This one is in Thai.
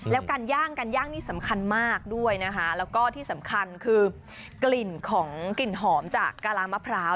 แล้วการย่างการย่างนี่สำคัญมากด้วยนะคะแล้วก็ที่สำคัญคือกลิ่นของกลิ่นหอมจากกะลามะพร้าว